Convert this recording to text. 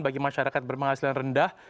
bagi masyarakat berpenghasilan rendah